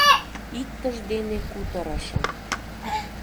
Иктыж дене кутырышым